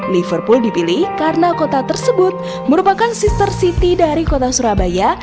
liverpool dipilih karena kota tersebut merupakan sister city dari kota surabaya